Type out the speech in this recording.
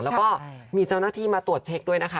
แล้วก็มีเจ้าหน้าที่มาตรวจเช็คด้วยนะคะ